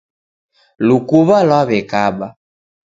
Lukuw'a lwaw'ekaba.